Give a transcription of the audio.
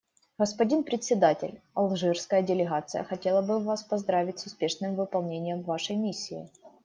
Господин Председатель, алжирская делегация хотела бы поздравить Вас с успешным выполнением Вашей миссии.